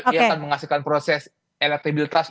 yang akan menghasilkan proses elektribilitas